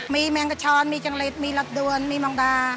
มีแมงกับชอปมีจังเลสมีรับด้วยมีมองดา